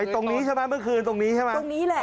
ตรงนี้ใช่ไหมเมื่อคืนตรงนี้ใช่ไหมตรงนี้แหละ